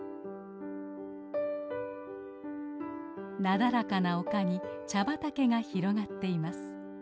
なだらかな丘に茶畑が広がっています。